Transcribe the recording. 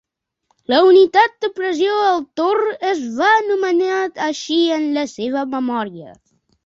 La unitat de pressió, el torr, es va anomenar així en la seva memòria.